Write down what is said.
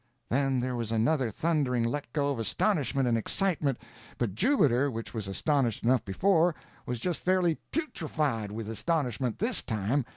Then there was another thundering let go of astonishment and excitement; but Jubiter, which was astonished enough before, was just fairly putrified with astonishment this time.